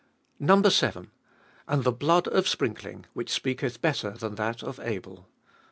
7. And the blood of sprinkling, which speaketh better than that of Abel.